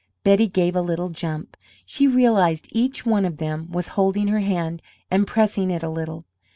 Betty gave a little jump; she realized each one of them was holding her hand and pressing it a little.